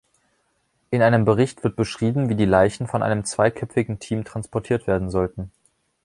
In einem Bericht wird beschrieben, wie die Leichen von einem zweiköpfigen Team transportiert werden sollten.